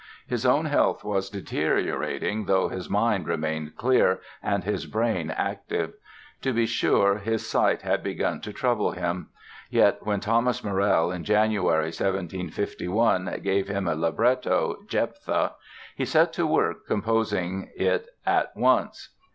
His own health was deteriorating, though his mind remained clear and his brain active. To be sure his sight had begun to trouble him. Yet when Thomas Morell, in January, 1751, gave him a libretto, "Jephtha", he set to work composing it at once.